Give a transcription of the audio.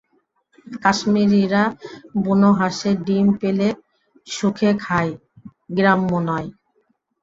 কাশ্মীরীরা বুনো হাঁসের ডিম পেলে সুখে খায়, গ্রাম্য নয়।